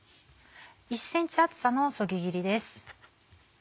１ｃｍ厚さのそぎ切りです。